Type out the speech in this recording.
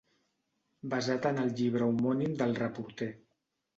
Basat en el llibre homònim del reporter.